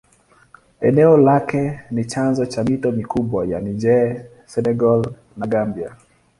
Eneo lake ni chanzo ya mito mikubwa ya Niger, Senegal na Gambia.